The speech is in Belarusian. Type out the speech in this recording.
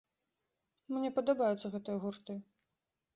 Мне падабаюцца гэтыя гурты.